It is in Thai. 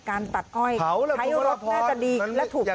การตัดก้อยไทยรถน่าจะดีและถูกต้องตามกฎหมายเผาแล้วทุกคนอธอด